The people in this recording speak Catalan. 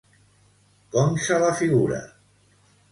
Com se la figura?